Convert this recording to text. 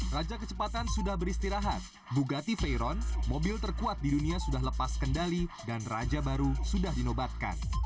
raja kecepatan sudah beristirahat bugatti veyron mobil terkuat di dunia sudah lepas kendali dan raja baru sudah dinobatkan